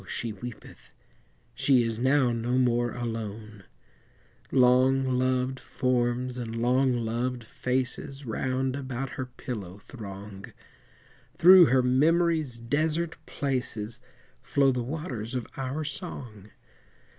she weepeth, She is now no more alone; Long loved forms and long loved faces Round about her pillow throng, Through her memory's desert places Flow the waters of our song.